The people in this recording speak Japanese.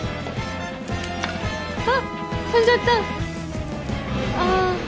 わっ踏んじゃったああ